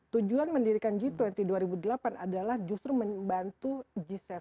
tujuan mendirikan g dua puluh dua ribu delapan adalah justru membantu g tujuh